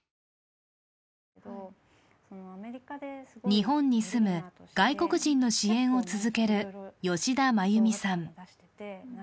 日本に住む外国人の支援を続ける吉田真由美さん。